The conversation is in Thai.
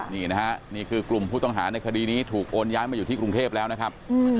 นี่นะฮะนี่คือกลุ่มผู้ต้องหาในคดีนี้ถูกโอนย้ายมาอยู่ที่กรุงเทพแล้วนะครับ